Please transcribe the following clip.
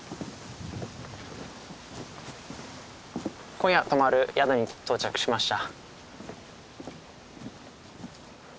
今夜泊まる宿に到着しました。